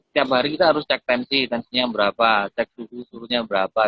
tiap hari kita harus cek tempi tempi nya berapa cek suhu suhunya berapa